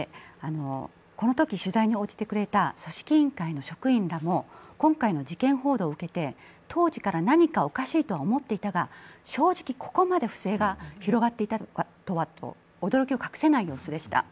このとき取材に応じてくれた組織委員会の職員たちも、今回の事件報道を受けて、当時から何かおかしいとは思っていたが正直、ここまで不正が広がっていたとはと、驚きを隠せない様子でした。